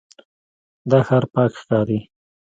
دا ښار پاک ښکاري.